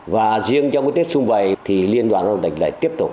và riêng trong cái tiết xung vầy thì liên đoàn lao động tỉnh lại tiếp tục